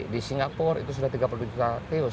di singapura itu sudah tiga puluh juta teus